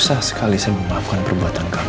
susah sekali saya memaafkan perbuatan kamu